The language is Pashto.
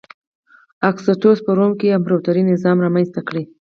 اګوستوس په روم کې امپراتوري نظام رامنځته کړ.